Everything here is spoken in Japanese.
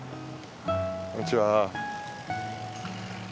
こんにちは。